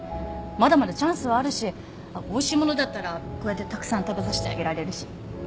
まだまだチャンスはあるしあっおいしい物だったらこうやってたくさん食べさせてあげられるし。